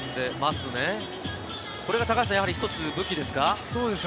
これが一つ武器ですか？